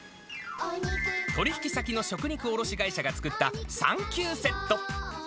取り引き先の食肉卸会社が作ったサンキューセット。